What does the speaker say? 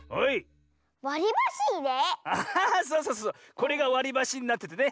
これがわりばしになっててね